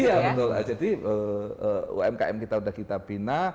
iya betul lah jadi umkm kita udah kita bina